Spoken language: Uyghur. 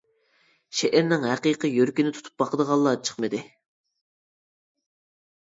شېئىرنىڭ ھەقىقىي يۈرىكىنى تۇتۇپ باقىدىغانلار چىقمىدى.